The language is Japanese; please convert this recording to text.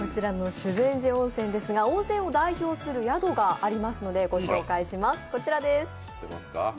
修善寺温泉ですが温泉を代表する宿がありますのでご紹介します。